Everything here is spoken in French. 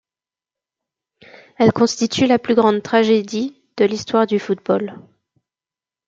Elle constitue la plus grande tragédie de l'histoire du football.